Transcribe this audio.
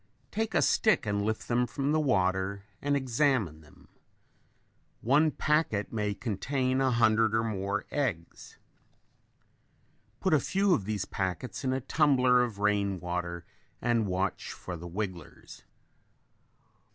Take a stick and lift them from the water and examine them. One packet may contain a hundred or more eggs. Put a few of these packets in a tumbler of rain water and watch for the wigglers.